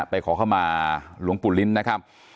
ขอเข้ามาหลวงปู่ลิ้นนะครับ